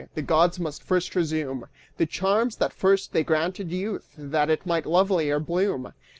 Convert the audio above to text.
The gods must first resume The charms that first they granted youth, that it might lovelier bloom!